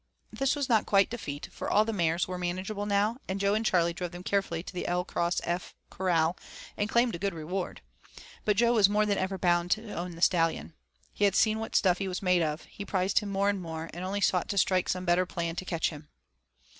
This was not quite defeat, for all the mares were manageable now, and Jo and Charley drove them carefully to the 'L cross F' corral and claimed a good reward. But Jo was more than ever bound to own the Stallion. He had seen what stuff he was made of, he prized him more and more, and only sought to strike some better plan to catch him.